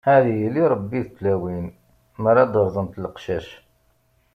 Ad yili Ṛebbi d tlawin, mi ara d-rẓen leqcac.